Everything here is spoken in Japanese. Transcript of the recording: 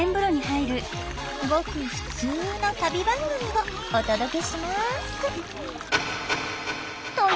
ごくふつうの旅番組をお届けします。